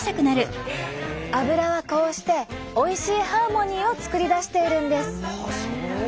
アブラはこうしておいしいハーモニーを作り出しているんです。